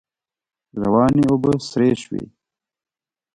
روانې اوبه سرې شوې.